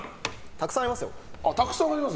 たくさんありますよ。